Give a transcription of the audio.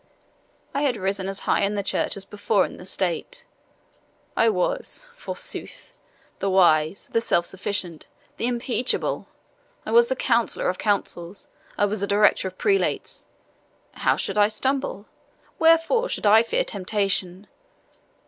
I had risen as high in the church as before in the state. I was, forsooth, the wise, the self sufficient, the impeccable! I was the counsellor of councils I was the director of prelates. How should I stumble? wherefore should I fear temptation?